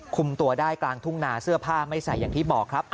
คุมตัวได้กลางทุ่งนาเสื้อผ้าไม่ใส่อย่างที่บอกครับ